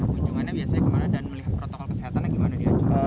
nah ujungannya biasanya gimana dan melihat protokol kesehatannya gimana dia